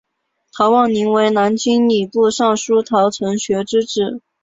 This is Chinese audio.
陶望龄为南京礼部尚书陶承学之子。